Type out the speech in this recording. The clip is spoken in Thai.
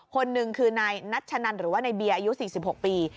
คนหนึ่งคือนายนัชนันหรือว่าในเบียร์อายุ๔๖ปี